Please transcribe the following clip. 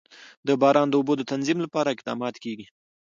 د باران د اوبو د تنظیم لپاره اقدامات کېږي.